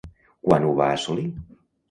Quan ho va assolir?